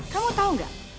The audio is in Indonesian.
kamu tahu gak